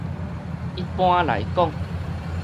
一般來講